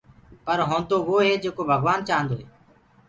پر هونٚدو وو هي جيڪو ڀگوآن چآهندوئي